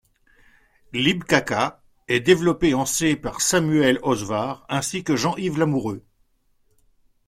Libcaca est développée en C par Samuel Hocevar ainsi que Jean Yves Lamoureux.